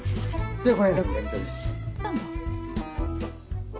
では。